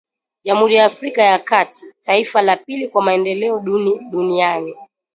Jamhuri ya Afrika ya kati, taifa la pili kwa maendeleo duni duniani